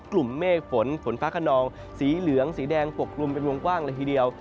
กลุ่มเมฆฝนฝนฟ้าขนองสีเหลืองสีแดงปกกลุ่มเป็นวงกว้างเลยทีเดียว